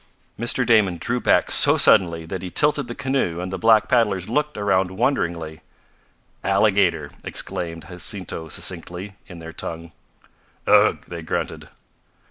Mr. Damon drew back so suddenly that he tilted the canoe, and the black paddlers looked around wonderingly. "Alligator," explained Jacinto succinctly, in their tongue. "Ugh!" they grunted.